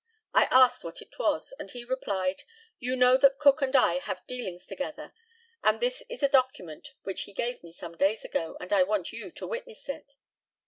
I asked what it was, and he replied, "You know that Cook and I have had dealings together; and this is a document which he gave me some days ago, and I want you to witness it."